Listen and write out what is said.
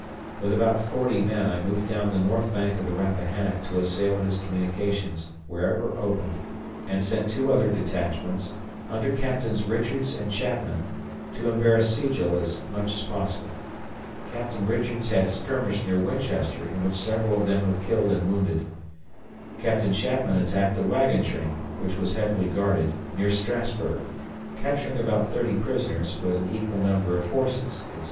With about 40 men I moved down the north bank of the Rappahannock to assail his communications wherever opened, and sent two other detachments, under Captains Richards and Chapman, to embarrass Sigel as much as possible. Captain Richards had a skirmish near Winchester in which several of them were killed and wounded. Captain Chapman attacked a wagon train, which was heavily guarded, near Strassburg, capturing about 30 prisoners with an equal number of horses, etc.